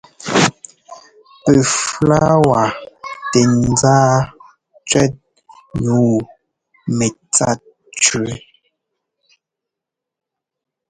Pɛ flɔ̌wa tɛŋzá cʉ́ɛt nǔu mɛtsa tʉ.